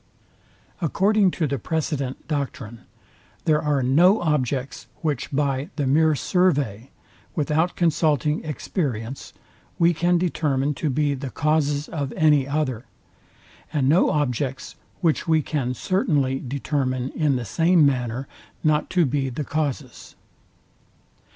According to the precedent doctrine, there are no objects which by the mere survey, without consulting experience, we can determine to be the causes of any other; and no objects, which we can certainly determine in the same manner not to be the causes.